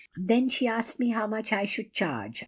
Then she asked me how much I should charge.